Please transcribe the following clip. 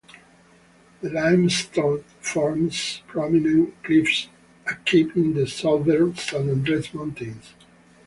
The limestone forms prominent cliffs capping the southern San Andres Mountains.